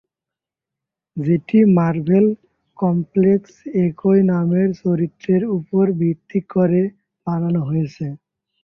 যেটি মার্ভেল কমিক্সের একই নামের চরিত্রের উপর ভিত্তি করে বানানো হয়েছে।